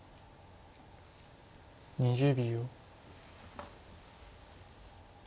２０秒。